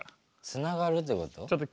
つながるってこと？